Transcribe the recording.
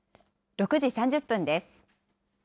６時３０分です。